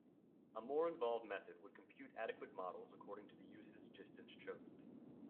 A more involved method would compute adequate models according to the usage distance chosen.